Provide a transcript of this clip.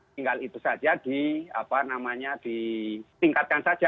tinggal itu saja di apa namanya ditingkatkan saja